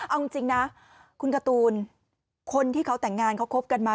เอาจริงนะคุณการ์ตูนคนที่เขาแต่งงานเขาคบกันมา